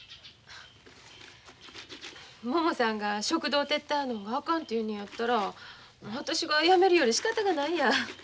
ももさんが食堂手伝うのがあかんて言うのやったら私がやめるよりしかたがないやん。